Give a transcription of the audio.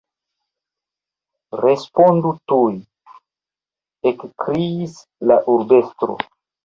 Respondu tuj! ekkriis la urbestro.